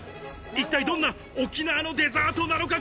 一体どんな沖縄のデザートなのか。